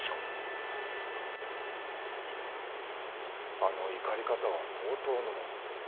あの怒り方は相当のもの。